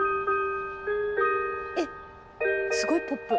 えっすごいポップ。